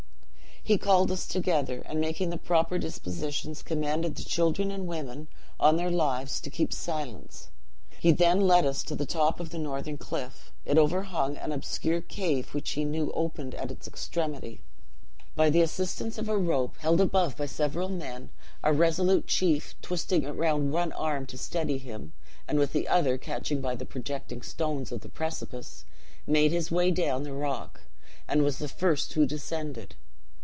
"He called us together, and making the proper dispositions, commanded the children and women, on their lives, to keep silence. He then led us to the top of the northern cliff; it overhung an obscure cave which he knew opened at its extremity. By the assistance of a rope, held above by several men, our resolute chief (twisting it round one arm to steady him, and with the other catching by the projecting stones of the precipice) made his way down the rock, and was the first who descended.